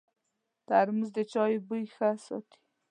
ترموز د چایو بوی ښه ساتي.